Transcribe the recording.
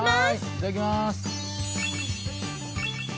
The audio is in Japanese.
いただきます！